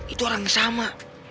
itu orang yang sama